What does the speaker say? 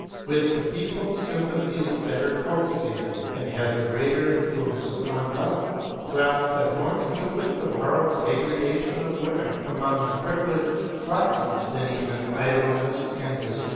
With the people sympathy is better cultivated, and has a greater influence upon life. Wealth has more to do with the moral degradation of women among the privileged classes than even idleness and dissipation.